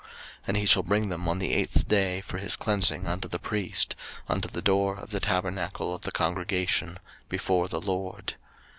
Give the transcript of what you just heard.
03:014:023 And he shall bring them on the eighth day for his cleansing unto the priest, unto the door of the tabernacle of the congregation, before the LORD.